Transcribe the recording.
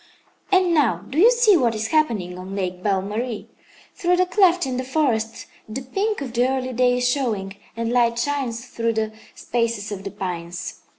"And now, do you see what is happening on Lake Belle Marie? Through the cleft in the forest the pink of the early day is showing, and light shines through the spaces of the pines.